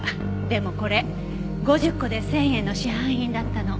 でもこれ５０個で１０００円の市販品だったの。